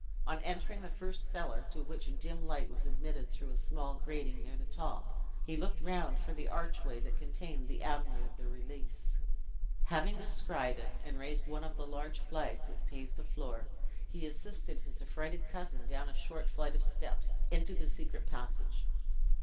On entering the first cellar, to which a dim light was admitted through a small grating near the top, he looked round for the archway that contained the avenue of their release. Having descried it, and raised one of the large flags which paved the floor, he assisted his affrighted cousin down a short flight of steps, into the secret passage.